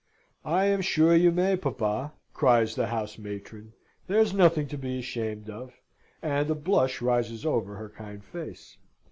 "I am sure you may, papa," cries the house matron. "There's nothing to be ashamed of." And a blush rises over her kind face.